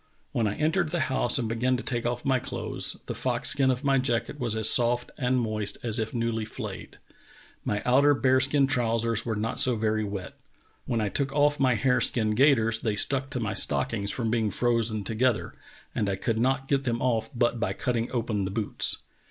When I entered the liouse and began to take off my clothes the fox skin of my jacket was as soft and moist as if newly flayed. My outer bear skin trousers were not so very wet. When I took off my hare skin gaiters they stuck to my stockings from being frozen together, and I could not get them off but by cutting open the boots.